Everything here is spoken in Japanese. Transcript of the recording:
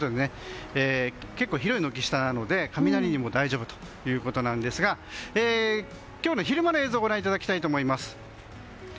結構、広い軒下なので雷にも大丈夫ということなんですが今日の昼間の映像をご覧いただきたいと思います。